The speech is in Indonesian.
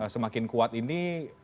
semakin kuat ini